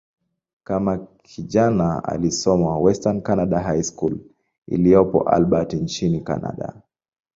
Kama kijana, alisoma "Western Canada High School" iliyopo Albert, nchini Kanada.